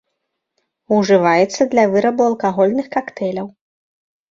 Ужываецца для вырабу алкагольных кактэйляў.